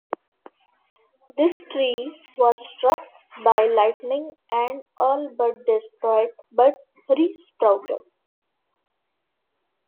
This tree was struck by lightning and all but destroyed but re-sprouted.